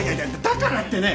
だからってね。